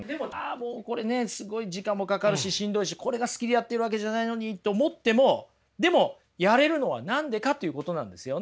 もうこれねすごい時間もかかるししんどいしこれが好きでやってるわけじゃないのにって思ってもでもやれるのは何でかということなんですよね。